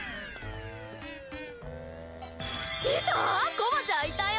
こまちゃんいたよ！